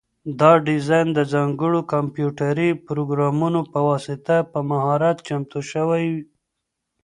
دا ډیزاین د ځانګړو کمپیوټري پروګرامونو په واسطه په مهارت چمتو شوی.